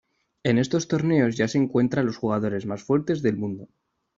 En estos torneos ya se encuentra a los jugadores más fuertes del mundo.